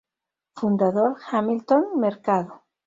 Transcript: Fundador Hamilton Mercado.